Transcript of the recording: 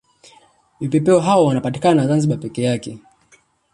Vipepeo hao wanapatikana zanzibar peke yake